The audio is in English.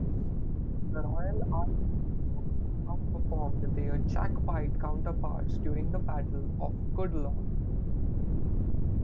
The Royal Artillery vastly out-performed their Jacobite counterparts during the Battle of Culloden.